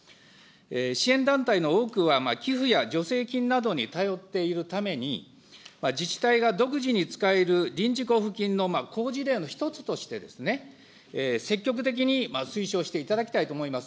支援団体の多くは寄付や助成金などに頼っているために、自治体が独自に使える臨時交付金の好事例の一つとして、積極的に推奨していただきたいと思います。